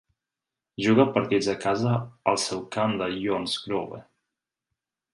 Juga partits a casa al seu camp de "Johnsgrove".